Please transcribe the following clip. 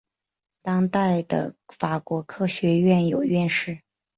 当代的法国科学院有院士。